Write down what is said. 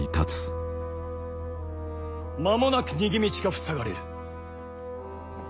間もなく逃げ道が塞がれる。